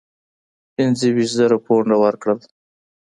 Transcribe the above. پنځه ویشت زره پونډه ورکړل.